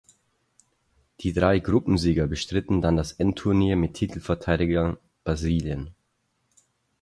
Die drei Gruppensieger bestritten dann das Endturnier mit Titelverteidiger Brasilien.